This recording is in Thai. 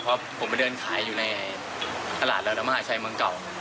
เพราะผมไปเดินขายอยู่ในตลาดระดมหาชัยเมืองเก่า